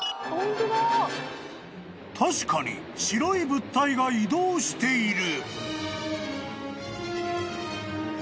［確かに白い物体が移動している］